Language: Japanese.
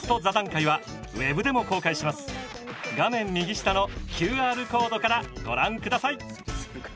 画面右下のＱＲコードからご覧下さい。